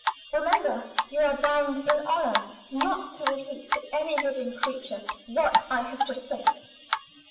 Remember! You are bound in honor not to repeat to any living creature what I have just said."